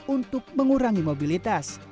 untuk mengurangi mobilitas